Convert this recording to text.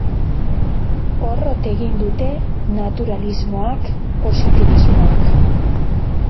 Porrot egin dute naturalismoak, positibismoak.